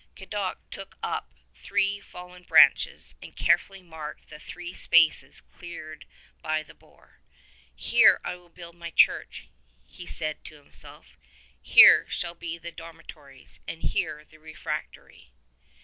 Cadoc took up three fallen branches and carefully marked the three spaces cleared by the boar. ''Here I will build my church," he said to himself, ''here shall be the dormitories, and here the refectory."